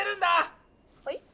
⁉はい？